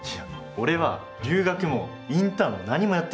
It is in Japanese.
俺は留学もインターンも何もやってないの。